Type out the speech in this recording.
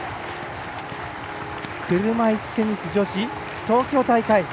車いすテニス女子東京大会。